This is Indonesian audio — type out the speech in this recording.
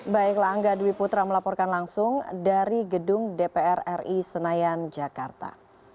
baiklah angga dwi putra melaporkan langsung dari gedung dpr ri senayan jakarta